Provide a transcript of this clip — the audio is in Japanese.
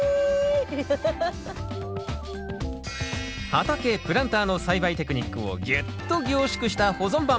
畑プランターの栽培テクニックをぎゅっと凝縮した保存版。